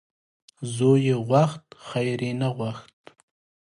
زوی یې غوښت خیر یې نه غوښت .